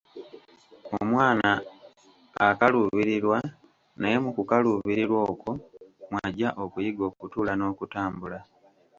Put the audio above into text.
Omwana akaluubirirwa, naye mu kukaluubirirwa okwo mw'aggya okuyiga okutuula n'okutambula.